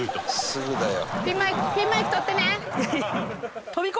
「すぐだよ」